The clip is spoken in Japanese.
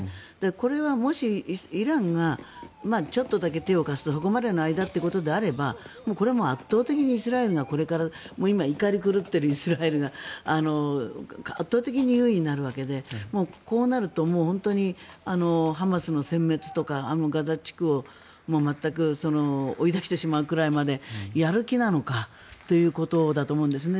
これはもしイランがちょっとだけ手を貸すとそこまでの間ということであれば圧倒的にイスラエルがこれから今、怒り狂っているイスラエルが圧倒的に優位になるわけでこうなると本当にハマスのせん滅とかガザ地区を全く追い出してしまうくらいまでやる気なのかということだと思うんですね。